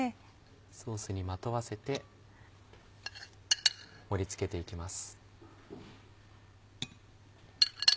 ソースにまとわせて盛り付けていきます。